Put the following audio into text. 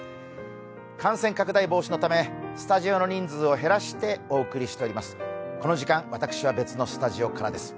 感染拡大防止のためスタジオの人数を減らしてお送りしております。